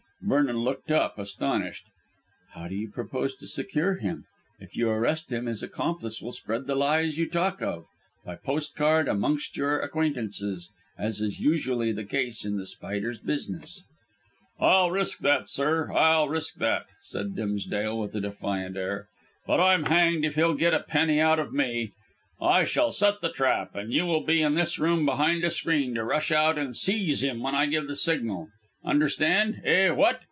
Vernon looked up astonished. "How do you propose to secure him? If you arrest him, his accomplice will spread the lies you talk of, by postcard amongst your acquaintances, as is usually the case in The Spider's business." "I'll risk that, sir; I'll risk that," said Dimsdale with a defiant air; "but I'm hanged if he'll get a penny out of me. I shall set the trap, and you will be in this room behind a screen to rush out and seize him when I give the signal. Understand? Eh, what?